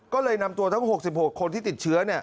ก็เลยนำตัวทั้ง๖๖คนที่ติดเชื้อ